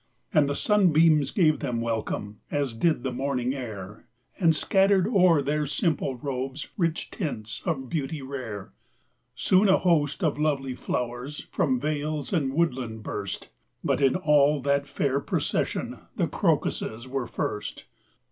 And the sunbeams gave them welcome. As did the morning air And scattered o'er their simple robes Rich tints of beauty rare. Soon a host of lovely flowers From vales and woodland burst; But in all that fair procession The crocuses were first.